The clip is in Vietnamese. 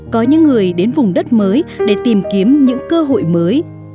có những người đến vùng đất mới để tìm kiếm những cơ hội mới